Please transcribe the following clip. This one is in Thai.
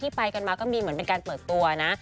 ไปกันมาก็มีเหมือนเป็นการเปิดตัวนะ